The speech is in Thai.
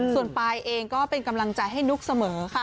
ส่วนปายเองก็เป็นกำลังใจให้นุ๊กเสมอค่ะ